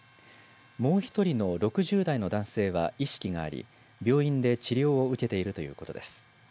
もう１人の６０代の男性は意識があり病院で治療を受けているということです。